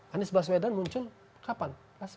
anies baswedan muncul kapan